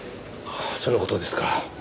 その事ですか。